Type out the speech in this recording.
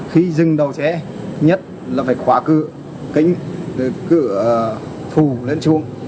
khi dừng đầu xe nhất là phải khóa cửa kính cửa phù lên chuồng